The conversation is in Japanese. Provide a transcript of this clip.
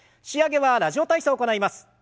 仕上げは「ラジオ体操」を行います。